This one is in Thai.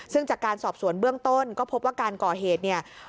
ซึ่งจากการสอบสวนเบื้องต้นก็พบว่าการก่อเหตุเนี่ย